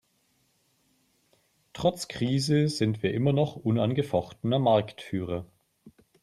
Trotz Krise sind wir immer noch unangefochtener Marktführer.